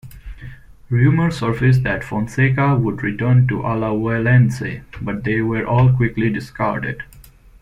Rumors surfaced that Fonseca would return to Alajuelense, but they were all quickly discarded.